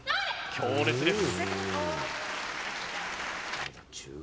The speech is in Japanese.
強烈です。